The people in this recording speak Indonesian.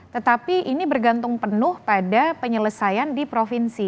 tetapi ini bergantung penuh pada penyelesaian di provinsi